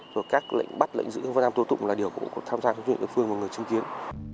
rồi các lệnh bắt lệnh giữ lệnh tố tụng là điều cũng có tham gia của chính quyền đội phương và người chứng kiến